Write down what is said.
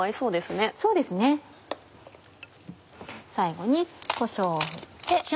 最後にこしょうを振って。